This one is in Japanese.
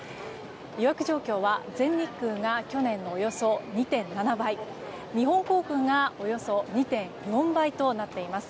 予約状況は全日空が去年のおよそ２．７倍日本航空がおよそ２．４倍となっています。